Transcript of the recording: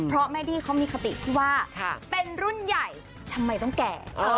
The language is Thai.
เพราะแม่ดี้เขามีคติที่ว่าเป็นรุ่นใหญ่ทำไมต้องแก่